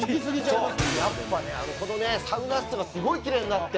「やっぱねこのねサウナ室がすごいキレイになって」